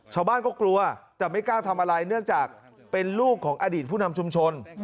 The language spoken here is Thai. ชาวบ้านก็กลัวแต่ไม่กล้าทำอะไรเนื่องจากเป็นลูกของอดีตผู้นำชุมชน